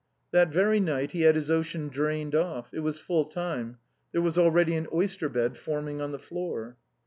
That very night he had his ocean drained off. It was full time: there was already an oyster bed forming on the floor.